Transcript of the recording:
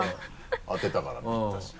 当てたからぴったし。